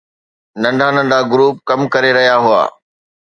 ننڍا ننڍا گروپ ڪم ڪري رهيا هئا